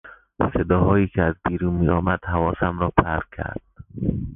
صداهایی که از بیرون میآمد حواسم را پرت کرد.